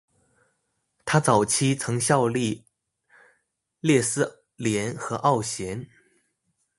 他早期曾效力列斯联和奥咸。